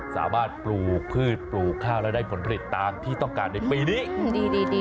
ปลูกพืชปลูกข้าวและได้ผลผลิตตามที่ต้องการในปีนี้ดีดี